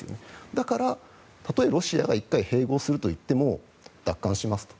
だから、例えロシアが１回併合するといっても奪還しますと。